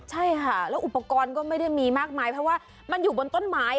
ใช่ค่ะแล้วอุปกรณ์ก็ไม่ได้มีมากมายเพราะว่ามันอยู่บนต้นไม้